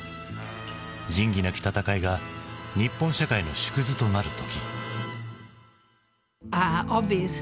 「仁義なき戦い」が日本社会の縮図となる時。